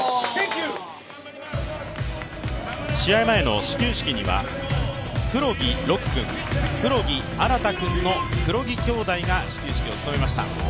試合前の始球式には黒木禄君、黒木新君の、黒木兄弟が始球式を務めました。